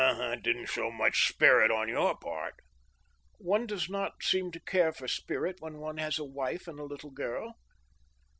" That didn't show much spirit on your part," *' One does not seem to care for spirit when one has a wife and a little girl."